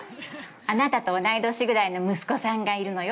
あなたと同い年ぐらいの息子さんがいるのよ。